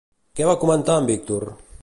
Què va comentar en Víctor?